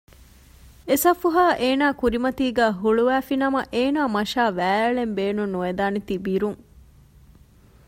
އެސަފުހާ އޭނާ ކުރިމަތީގައި ހުޅުވައިފިނަމަ އޭނާ މަށާ ވައިއެޅެން ބޭނުން ނުވެދާނެތީ ބިރުން